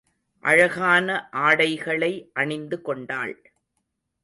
அழகான ஆடைகளை அணிந்துகொண்டாள்.